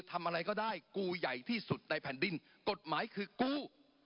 ทำอะไรก็ได้กูใหญ่ที่สุดในแผ่นดินกฎหมายคือกู้